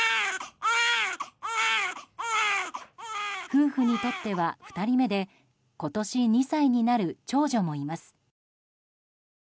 夫婦にとっては２人目で今年２歳になる長女もいます。